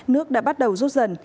nước đã bắt đầu rút dần